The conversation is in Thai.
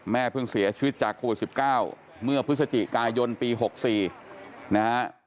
เพิ่งเสียชีวิตจากโควิด๑๙เมื่อพฤศจิกายนปี๖๔นะฮะ